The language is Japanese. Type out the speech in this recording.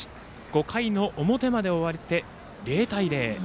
５回の表まで終わって０対０。